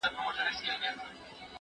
زه اوس د سبا لپاره د نوي لغتونو يادوم!.